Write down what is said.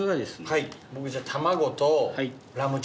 はい。